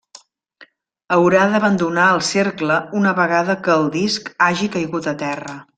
Haurà d'abandonar el cercle una vegada que el disc hagi caigut a terra.